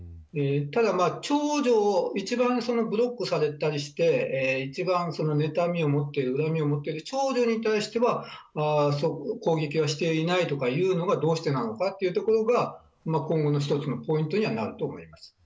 ただ長女を一番ブロックされたりして一番妬みを持って恨みを持っている長女に対しては攻撃はしていないとかいうのがどうしてなのかというところが今後の一つのポイントにはなると思います。